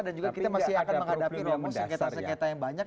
dan juga kita masih akan menghadapi rumah sekitar sekitar yang banyak